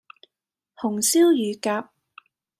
紅燒乳鴿